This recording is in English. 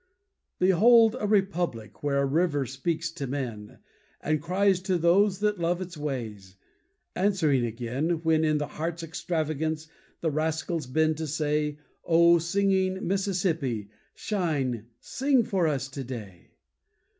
Behold a Republic Where a river speaks to men And cries to those that love its ways, Answering again When in the heart's extravagance The rascals bend to say "O singing Mississippi Shine, sing for us today."